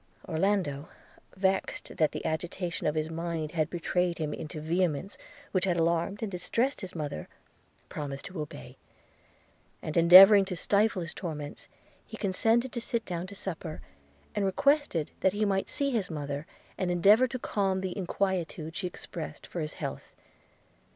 Orlando, vexed that the agitation of his mind had betrayed him into vehemence which had alarmed and distressed his mother; promised to obey; and endeavouring to stifle his torments, he consented to sit down to supper, and requested that he might see his mother, and endeavour to calm the inquietude she expressed for his health.